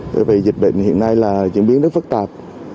bởi vì dịch bệnh hiện nay là diễn biến rất phức tạp